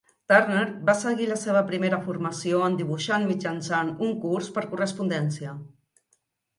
Turner va seguir la seva primera formació en dibuixant mitjançant un curs per correspondència.